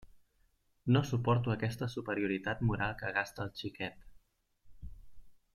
No suporto aquesta superioritat moral que gasta el xiquet.